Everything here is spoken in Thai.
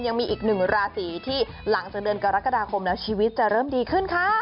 ยังมีอีกหนึ่งราศีที่หลังจากเดือนกรกฎาคมแล้วชีวิตจะเริ่มดีขึ้นค่ะ